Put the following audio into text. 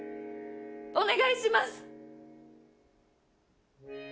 お願いします！